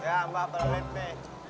ya mba perlu lipe